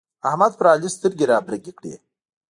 احمد پر علي سترګې رابرګې کړې.